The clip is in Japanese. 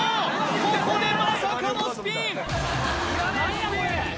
ここでまさかのスピン！